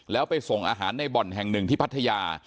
แล้วไปส่งอาหารในบ่อนแห่งหนึ่งที่พัทยา